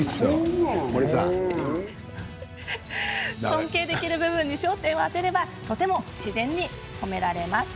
尊敬ができる部分に焦点を当てればとても自然に褒められます。